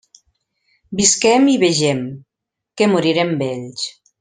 Visquem i vegem, que morirem vells.